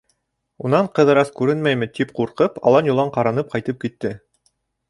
Унан Ҡыҙырас күренмәйме тип ҡурҡып, алан-йолан ҡаранып ҡайтып китте.